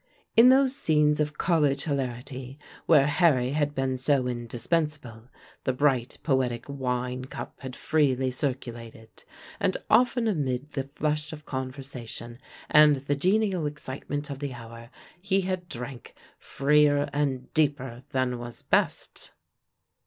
In those scenes of college hilarity where Harry had been so indispensable, the bright, poetic wine cup had freely circulated, and often amid the flush of conversation, and the genial excitement of the hour, he had drank freer and deeper than was best.